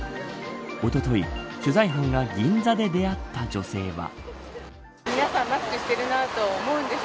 おととい、取材班が銀座で出会った女性は。